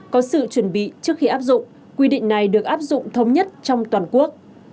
có sự chuẩn bị trước khi áp dụng quy định này được áp dụng thống nhất trong toàn quốc